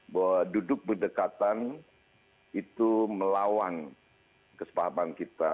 bahwa duduk berdekatan itu melawan kesepahaman kita